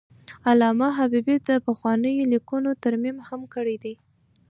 علامه حبیبي د پخوانیو لیکنو ترمیم هم کړی دی.